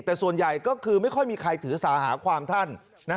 แต่ส่วนใหญ่ก็คือไม่ค่อยมีใครถือสาหาความท่าน